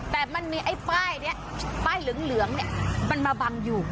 แต่มันมีไอ้ป้ายนี้ป้ายเหลืองเนี่ยมันมาบังอยู่